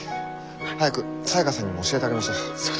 早くサヤカさんにも教えてあげましょう。